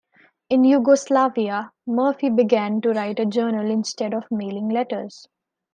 In Yugoslavia, Murphy began to write a journal instead of mailing letters.